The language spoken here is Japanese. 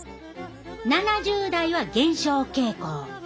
７０代は減少傾向。